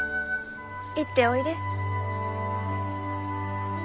行っておいで。